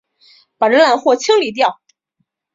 把这烂货清理掉！